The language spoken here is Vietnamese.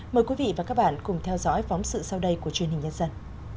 mời quý vị và các bạn cùng theo dõi phóng sự sau đây của truyền hình nhân dân